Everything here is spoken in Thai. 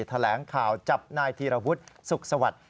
แถลงข่าวจับนายธีรวุฒิสุขสวัสดิ์